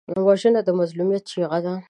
وژنه د مظلوم چیغه ده